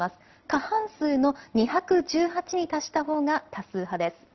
過半数の２１８に達したほうが多数派です。